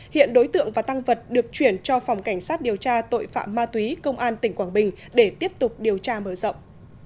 hiện đối tượng và tăng vật được chuyển cho phòng cảnh sát điều tra tội phạm ma túy công an tỉnh quảng bình để tiếp tục điều tra mở rộng